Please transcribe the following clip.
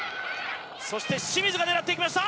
清水が狙っていきました。